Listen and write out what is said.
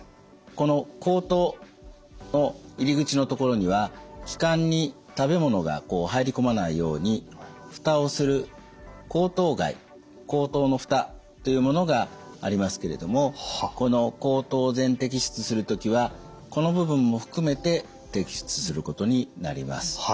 この喉頭の入り口の所には気管に食べ物が入り込まないように蓋をする喉頭蓋喉頭の蓋というものがありますけれどもこの喉頭を全摘出する時はこの部分も含めて摘出することになります。